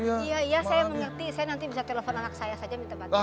iya iya saya mengerti saya nanti bisa telepon anak saya saja minta bantuan